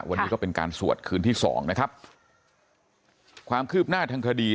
วันนี้ก็เป็นการสวดคืนที่สองนะครับความคืบหน้าทางคดี